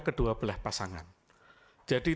kedua belah pasangan jadi